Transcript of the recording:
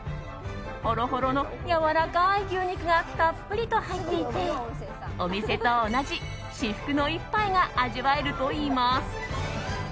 ほろほろのやわらかい牛肉がたっぷりと入っていてお店と同じ至福の１杯が味わえるといいます。